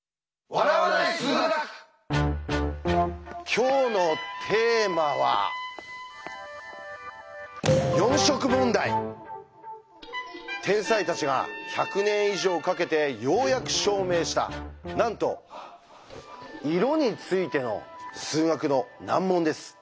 今日のテーマは天才たちが１００年以上かけてようやく証明したなんと「色」についての数学の難問です。